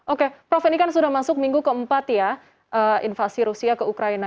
oke prof ini kan sudah masuk minggu keempat ya invasi rusia ke ukraina